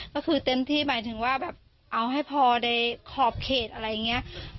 ก็คือเต็มที่หมายถึงว่าแบบเอาให้พอในขอบเขตอะไรอย่างนี้